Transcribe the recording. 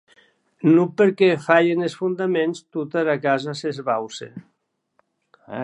Non, perque se falhen es fondaments, tota era casa s'esbauce.